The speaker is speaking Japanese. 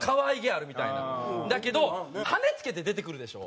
だけど羽つけて出てくるでしょ？